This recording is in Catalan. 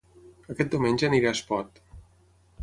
Aquest diumenge aniré a Espot